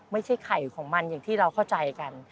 ไม่ใช่ไข่ของมันอย่างที่เราเข้าใจกัน